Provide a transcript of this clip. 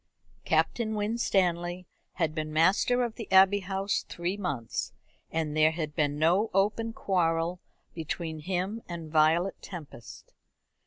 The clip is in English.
Captain Winstanley had been master of the Abbey House three months, and there had been no open quarrel between him and Violet Tempest.